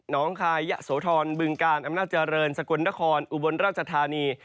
น้องคายสวทรบึงกาลอำนาจรรย์สกลนครอุบลราชธานี